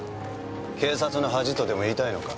警察の恥とでも言いたいのか？